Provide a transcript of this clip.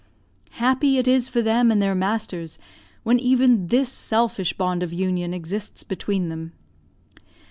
Happy is it for them and their masters when even this selfish bond of union exists between them!